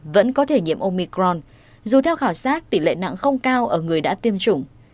vẫn có thể nhiễm omicron dù theo khảo sát tỷ lệ nặng không cao ở người đã tiêm chủng